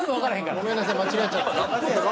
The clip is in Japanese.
ごめんなさい間違えちゃった。